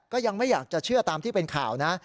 ก็ยังไม่อยากจะเชื่อตามที่เป็นข่าวนะ